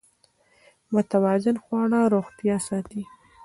متوازن خواړه روغتیا ساتي.